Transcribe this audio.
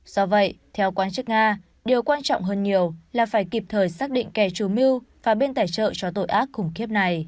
do vậy theo quan chức nga điều quan trọng hơn nhiều là phải kịp thời xác định kẻ chủ mưu và bên tài trợ cho tội ác khủng khiếp này